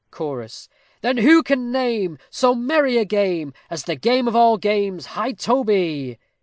CHORUS _Then who can name So merry a game, As the game of all games high toby?